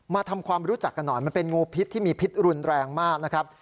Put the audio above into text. มาทำความรู้จักกันหน่อยมันเป็นงูพิษที่มีพิษรุนแรงมากนะครับ